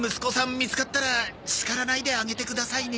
見つかったら叱らないであげてくださいね。